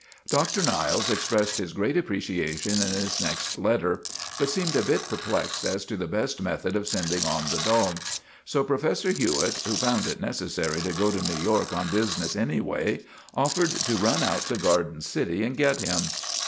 Dr. Niles expressed his great appreciation in his next letter, but seemed a bit perplexed as to the best method of sending on the dog. So Professor Hew itt, who found it necessary to go to New York on business anyway, offered to run out to Garden City and get him.